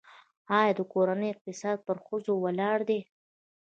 آیا د کورنۍ اقتصاد پر ښځو ولاړ دی؟